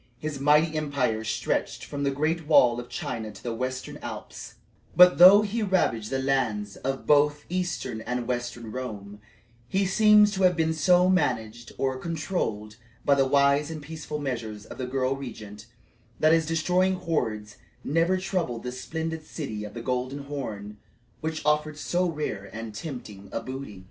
His mighty empire stretched from the great wall of China to the Western Alps; but, though he ravaged the lands of both eastern and western Rome, he seems to have been so managed or controlled by the wise and peaceful measures of the girl regent, that his destroying hordes never troubled the splendid city by the Golden Horn which offered so rare and tempting a booty.